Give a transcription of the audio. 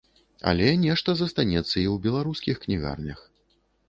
Але нешта застанецца і ў беларускіх кнігарнях.